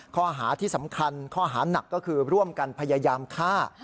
ข้อหาที่สำคัญข้อหานักก็คือร่วมกันพยายามฆ่า